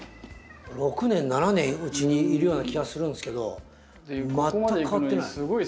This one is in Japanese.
６年７年うちにいるような気がするんすけど全く変わってない。